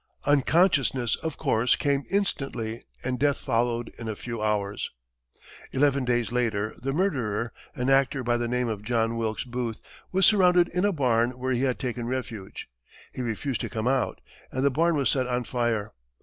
Unconsciousness, of course, came instantly, and death followed in a few hours. Eleven days later, the murderer, an actor by the name of John Wilkes Booth, was surrounded in a barn where he had taken refuge; he refused to come out, and the barn was set on fire.